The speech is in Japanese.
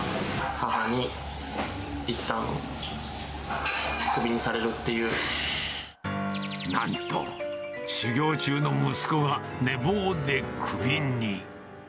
母にいったん、クビにされるなんと、修業中の息子が寝坊でクビに。